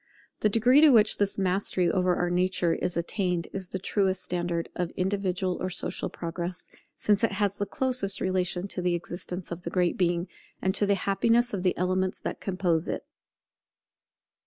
The degree to which this mastery over our own nature is attained is the truest standard of individual or social progress, since it has the closest relation to the existence of the Great Being, and to the happiness of the elements that compose it.